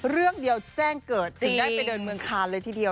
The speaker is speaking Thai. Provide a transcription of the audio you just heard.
เรื่องเดียวแจ้งเกิดจึงได้ไปเดินเมืองคานเลยทีเดียว